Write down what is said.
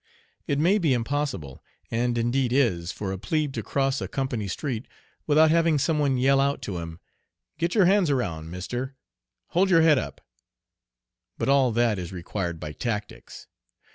It may be impossible, and indeed is, for a plebe to cross a company street without having some one yell out to him: "Get your hands around, mister. Hold your head up;" but all that is required by tactics.